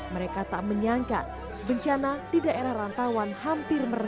mereka tak menyangka bencana di daerah rantawan hampir meresap